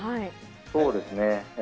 そうですね、ええ。